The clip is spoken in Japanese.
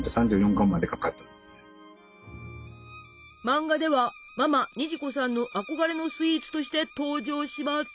漫画ではママ虹子さんの憧れのスイーツとして登場します。